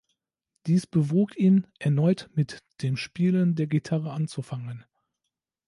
Dies bewog ihn, erneut mit dem Spielen der Gitarre anzufangen.